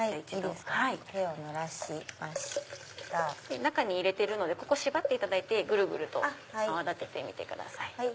中に入れてるのでここ縛ってぐるぐると泡立ててください。